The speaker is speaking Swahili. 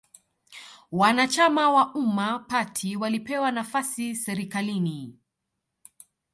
Wanachama wa Umma party walipewa nafasi serikalini